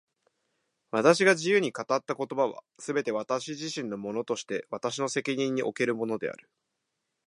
私が自由に語った言葉は、すべて私自身のものとして私の責任におけるものである。